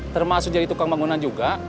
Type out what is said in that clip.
termasuk jadi tukang bangunan juga